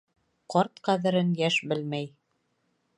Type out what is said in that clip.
Ҡарт ҡәҙерен йәш белмәй